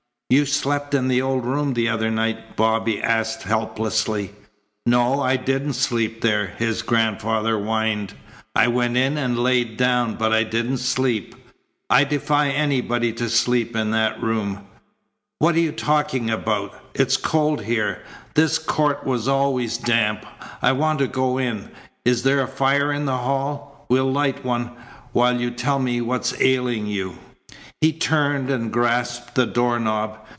"You slept in the old room the other night?" Bobby asked helplessly. "No, I didn't sleep there," his grandfather whined. "I went in and lay down, but I didn't sleep. I defy anybody to sleep in that room. What you talking about? It's cold here. This court was always damp. I want to go in. Is there a fire in the hall? We'll light one, while you tell me what's ailin' you." He turned, and grasped the door knob.